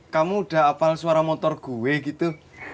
kamu udah apal suara motor gue gitu